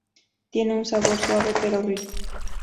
Tiene un sabor suave pero rico.